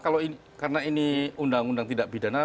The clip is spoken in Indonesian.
karena ini undang undang tidak bidana